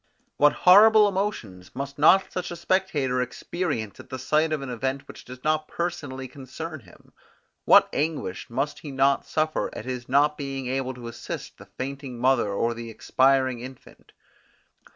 What horrible emotions must not such a spectator experience at the sight of an event which does not personally concern him? What anguish must he not suffer at his not being able to assist the fainting mother or the expiring infant?